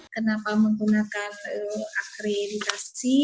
kenapa menggunakan akreditasi